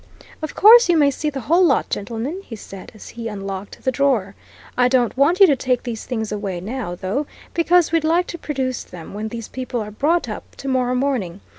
"Of course, you may see the whole lot, gentlemen," he said as he unlocked the drawer. "I don't want you to take these things away now, though, because we'd like to produce them when these people are brought up tomorrow morning.